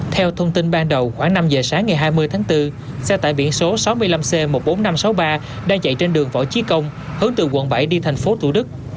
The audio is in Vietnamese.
theo thông tin ban đầu khoảng năm giờ sáng ngày hai mươi tháng bốn xe tải biển số sáu mươi năm c một mươi bốn nghìn năm trăm sáu mươi ba đang chạy trên đường võ chí công hướng từ quận bảy đi tp thủ đức